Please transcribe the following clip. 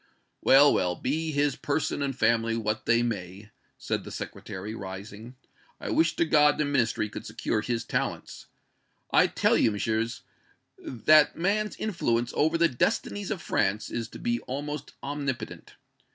"Well, well, be his person and family what they may," said the Secretary, rising, "I wish to God the Ministry could secure his talents. I tell you, Messieurs, that man's influence over the destinies of France is to be almost omnipotent.